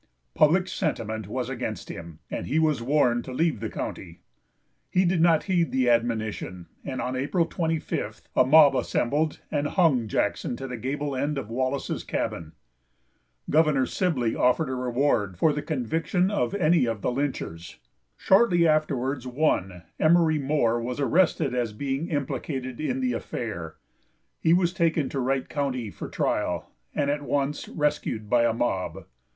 Public sentiment was against him, and he was warned to leave the county. He did not heed the admonition, and on April 25th a mob assembled, and hung Jackson to the gable end of Wallace's cabin. Governor Sibley offered a reward for the conviction of any of the lynchers. Shortly afterwards one, Emery Moore, was arrested as being implicated in the affair. He was taken to Wright county for trial, and at once rescued by a mob.